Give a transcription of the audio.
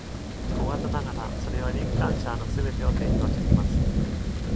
小型ながら、それはリンカンシャーのすべてを提供しています。